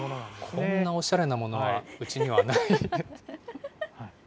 こんなおしゃれなものはうちにはない。